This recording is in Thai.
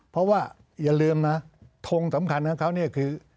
เพราะว่าอย่าลืมนะทงสำคัญของเขาเนี่ยคือ